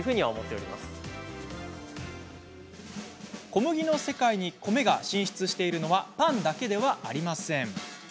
小麦の世界に米が進出しているのは、パンだけでありません。